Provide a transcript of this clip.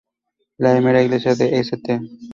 La primera iglesia de St.